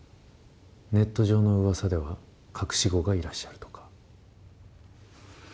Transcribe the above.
ネット上のうわさでは隠し子がいらっしゃるとか。